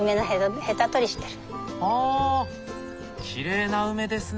あきれいな梅ですね。